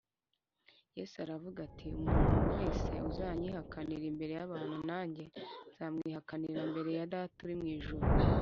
yesu aravuga ati, “umuntu wese uzanyihakanira imbere y’abantu, nanjye nzamwihakanira imbere ya data uri mu ijuru”